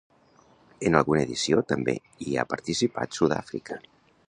En alguna edició també hi ha participat Sud-àfrica.